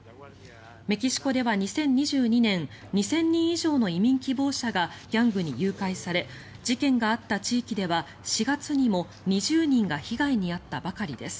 メキシコでは、２０２２年２０００人以上の移民希望者がギャングに誘拐され事件があった地域では４月にも２０人が被害に遭ったばかりです。